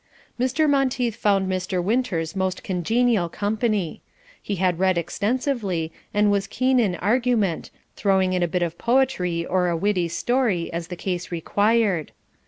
Mr. Monteith found Mr. Winters most congenial company. He had read extensively, and was keen in argument, throwing in a bit of poetry or a witty story, as the case required.